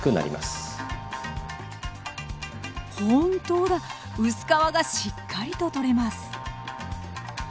本当だ薄皮がしっかりと取れます。